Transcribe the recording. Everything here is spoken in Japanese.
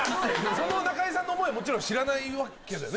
その中居さんの思いはもちろん知らないわけだよね